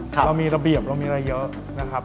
เรามีระเบียบเรามีอะไรเยอะนะครับ